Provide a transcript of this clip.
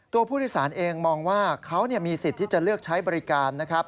ตัวผู้โดยสารเองมองว่าเขามีสิทธิ์ที่จะเลือกใช้บริการนะครับ